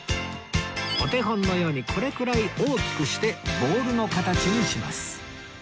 お手本のようにこれくらい大きくしてボウルの形にします